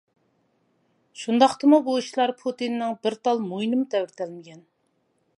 شۇنداقتىمۇ بۇ ئىشلار پۇتىننىڭ بىر تال مويىنىمۇ تەۋرىتەلمىگەن.